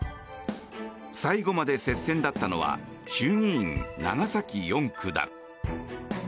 最後まで接戦だったのは衆議院長崎４区だ。